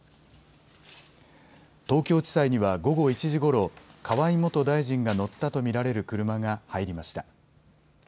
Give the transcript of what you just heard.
東京地裁には午後１時ごろ、河井元大臣が乗ったと見られる車が入りました。